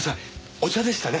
お茶でしたね。